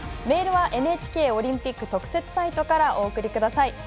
メールはＮＨＫオリンピック特設サイトからお送りください。